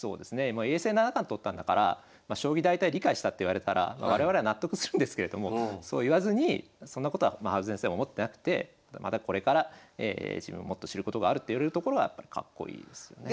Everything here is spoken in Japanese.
もう永世七冠取ったんだから将棋大体理解したって言われたら我々は納得するんですけれどもそう言わずにそんなことは羽生先生も思ってなくてまだこれから自分もっと知ることがあるって言えるところがやっぱりかっこいいですよね。